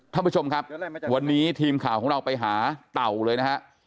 ท่านผู้ชมครับวันนี้ทีมข่าวของเราไปหาเต่าเลยนะฮะ